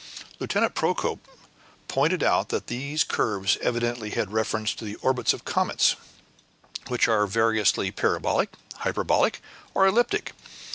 Lieutenant Procope pointed out that these curves evidently had reference to the orbits of comets, which are variously parabolic, hyperbolic, or elliptic.